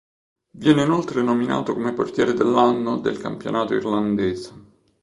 Viene inoltre nominato come portiere dell'anno del campionato irlandese.